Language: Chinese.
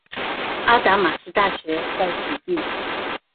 阿达玛斯大学在此地。